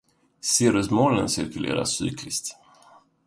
Cirrusmolnen cirkulerade cykliskt.